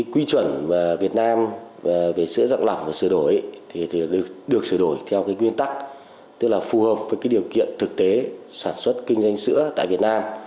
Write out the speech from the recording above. quy chuẩn việt nam về sữa dạng lỏng và sửa đổi thì được sửa đổi theo nguyên tắc tức là phù hợp với điều kiện thực tế sản xuất kinh doanh sữa tại việt nam